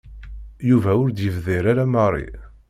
Yuba ur d-yebdir ara Mary.